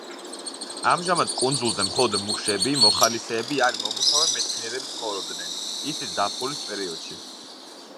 ამჟამად, კუნძულზე მხოლოდ მუშები, მოხალისეები ან მომუშავე მეცნიერები ცხოვრობენ, ისიც ზაფხულის პერიოდში.